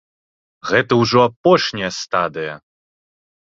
Гэта ўжо апошняя стадыя!